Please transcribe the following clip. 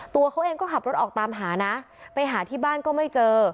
ตัวเขาเองก็ขับรถออกตามหานะไปหาที่บ้านก็ไม่เจอ